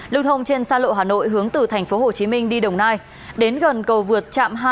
lưu thông trên xa lộ hà nội hướng từ tp hcm đi đồng nai đến gần cầu vượt trạm